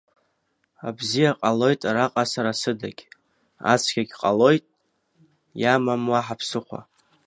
Абзиа ҟалоит араҟа сара сыдагь, ацәгьагь ҟалоит, иамам уаҳа ԥсыхәа.